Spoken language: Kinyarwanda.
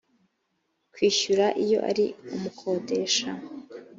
kwishyura iyo ari umukodesha